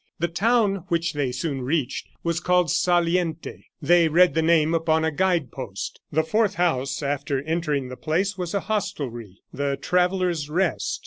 The town, which they soon reached, was called Saliente. They read the name upon a guide post. The fourth house after entering the place was a hostelry, the Traveller's Rest.